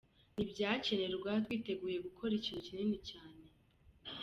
ni vyakenegwa twiteguye gukorora ikintu kinini cane.